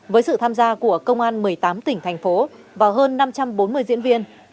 với sự tham gia của công an một mươi tám tỉnh thành phố và hơn năm trăm bốn mươi diễn viên